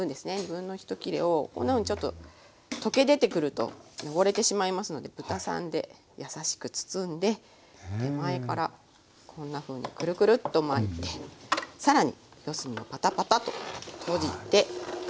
２分のひと切れをこんなふうにちょっと溶け出てくると汚れてしまいますので豚さんでやさしく包んで手前からこんなふうにクルクルッと巻いて更に四隅をパタパタと閉じて巻いていきます。